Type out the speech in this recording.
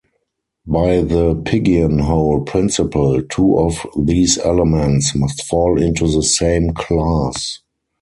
By the pigeonhole principle, two of these elements must fall into the same class.